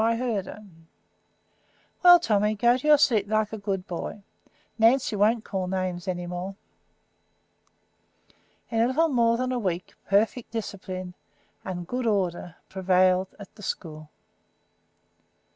I heard her." "Well, Tommy, go to your seat like a good boy. Nancy won't call names any more." In a little more than a week perfect discipline and good order prevailed in the school.